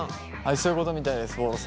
そういうことみたいですぼーろさん。